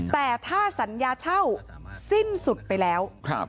แต่ถ้าสัญญาเช่าสิ้นสุดไปแล้ว